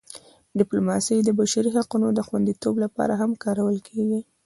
ډیپلوماسي د بشري حقونو د خوندیتوب لپاره هم کارول کېږي.